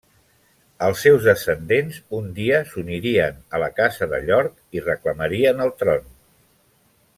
Els seus descendents un dia s'unirien a la Casa de York i reclamarien el tron.